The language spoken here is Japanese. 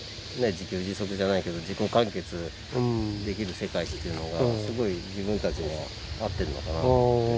自給自足じゃないけど自己完結できる世界っていうのがすごい自分たちには合ってるのかなと思って。